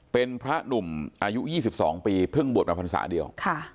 เป็นพระหนุ่มอายุ๒๒ปีเพิ่งบวชมาพรรษาเดียว